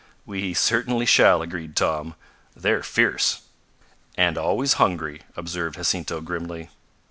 "We certainly shall," agreed Tom. "They're fierce." "And always hungry," observed Jacinto grimly.